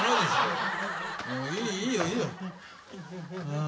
もういいよいいよ。